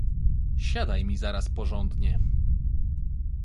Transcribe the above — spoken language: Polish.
Siadaj mi zaraz porządnie!